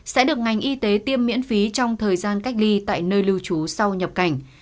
sẽ được ngành y tế tiêm miễn phí trong thời gian cách ly tại nơi lưu trú sau nhập cảnh